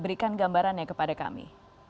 berikan gambarannya kepada kami